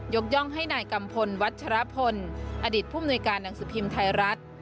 ย่องให้นายกัมพลวัชรพลอดีตผู้มนุยการหนังสือพิมพ์ไทยรัฐ